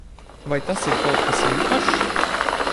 Vai tas ir kaut kas īpašs?